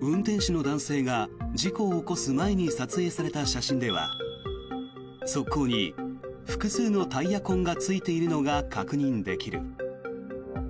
運転手の男性が事故を起こす前に撮影された写真では側溝に複数のタイヤ痕がついているのが確認できる。